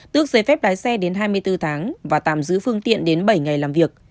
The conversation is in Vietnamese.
tước giấy phép lái xe đến hai mươi bốn tháng và tạm giữ phương tiện đến bảy ngày làm việc